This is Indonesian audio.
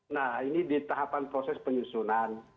nah ini di tahapan proses penyusunan